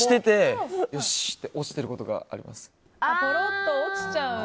してて落ちてることがあります。